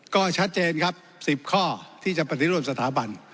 ก็ชัดเจนครับ๑๐ข้อที่จะปฏิรูปสถาบัน